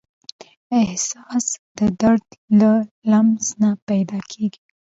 احساس د درد له لمس نه پیدا کېږي.